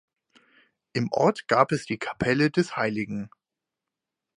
Im Ort gab es die Kapelle des hl.